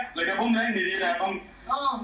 เจรจาต่อรองเงินไป๕ล้านแลกกับการปล่อยตัว